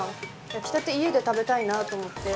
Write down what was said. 焼きたて、家で食べたいなと思って。